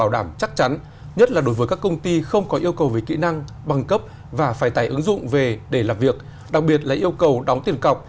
để tránh tiền mất tật mang